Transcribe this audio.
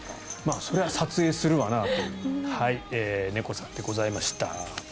それは撮影するわなという猫さんでございました。